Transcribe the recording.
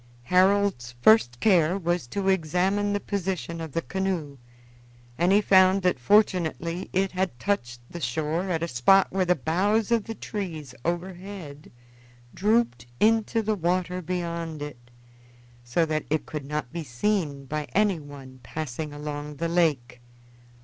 Harold's first care was to examine the position of the canoe, and he found that fortunately it had touched the shore at a spot where the boughs of the trees overhead drooped into the water beyond it, so that it could not be seen by anyone passing along the lake.